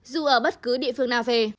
dù ở bất cứ địa phương nào về